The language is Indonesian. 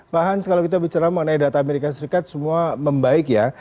pak hans kalau kita bicara mengenai data amerika serikat semua membaik ya